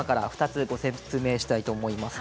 ２つ説明したいと思います。